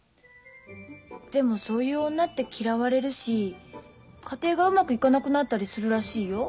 でもそういう女って嫌われるし家庭がうまくいかなくなったりするらしいよ。